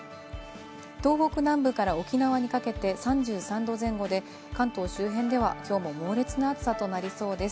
東北南部から沖縄にかけて３３度前後で、関東周辺では、きょうも猛烈な暑さとなりそうです。